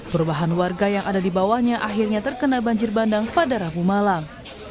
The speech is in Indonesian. perubahan warga yang ada di bawahnya akhirnya terkena banjir bandang pada rabu malam